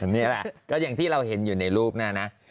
นี่แหละก็อย่างที่เราเห็นอยู่ในรูปนะนะ